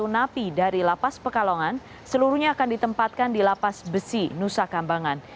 tiga ratus tiga puluh satu napi dari lapas pekalongan seluruhnya akan ditempatkan di lapas besi nusa kambangan